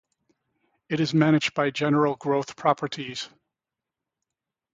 It is managed by General Growth Properties.